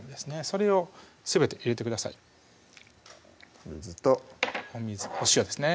それをすべて入れてください水とお塩ですね